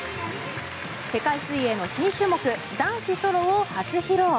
世界水泳の新種目男子ソロを初披露。